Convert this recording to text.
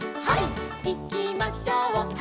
「いきましょう」